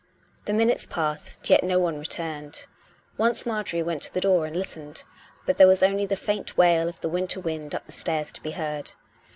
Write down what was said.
The minutes passed, yet no one returned. Once Marjorie went to the door and listened, but there was only the faint wail of the winter wind up the stairs to be heard.